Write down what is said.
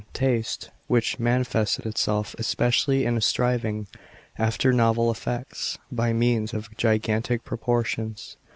taste, which manifested itself especially in a striving after novel effects by means of gigantic proportions.